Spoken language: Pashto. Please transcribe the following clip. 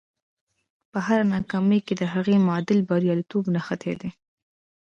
په هره ناکامۍ کې د هغې معادل بریالیتوب نغښتی دی